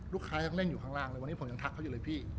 ยังเล่นอยู่ข้างล่างเลยวันนี้ผมยังทักเขาอยู่เลยพี่